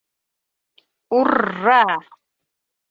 — Ур-ра!